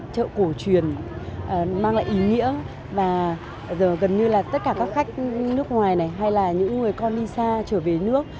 chợ cổ truyền mang lại ý nghĩa và gần như là tất cả các khách nước ngoài này hay là những người con đi xa trở về nước